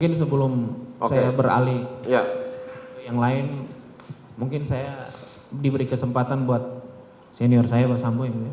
mungkin sebelum saya beralih ke yang lain mungkin saya diberi kesempatan buat senior saya pak sambo ini